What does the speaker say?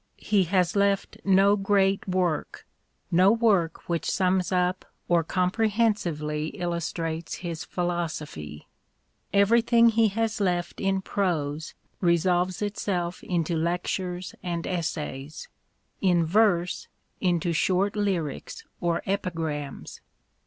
He has left no great work, no work which sums up or comprehensively illustrates his philosophy. Everything he has left in prose resolves itself into lectures and essays ; in verse, into short lyrics or epigrams.